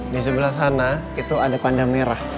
di sebelah sana itu ada panda merah